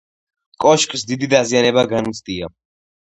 კოშკს დიდი დაზიანება განუცდია.